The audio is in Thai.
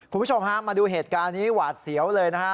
คุณผู้ชมฮะมาดูเหตุการณ์นี้หวาดเสียวเลยนะฮะ